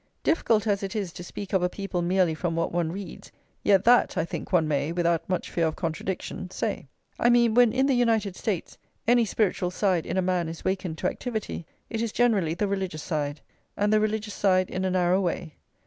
Difficult as it is to speak of a people merely from what one reads, yet that, I think, one may, without much fear of contradiction say. I mean, when, in the United States, any spiritual side in a man is wakened to activity, it is generally the religious side, and the religious side in a narrow way.